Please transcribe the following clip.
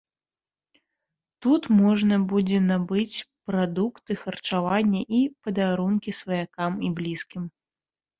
Тут можна будзе набыць прадукты харчавання і падарункі сваякам і блізкім.